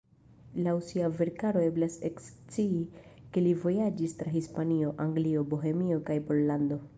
Laŭ sia verkaro eblas ekscii ke li vojaĝis tra Hispanio, Anglio, Bohemio kaj Pollando.